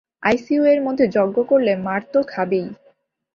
ICU এর মধ্যে যজ্ঞ করলে মার তো খাবেই!